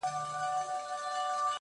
ورباندي وځړوې.